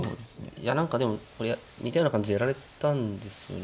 いや何かでもこれ似たような感じでやられたんですよね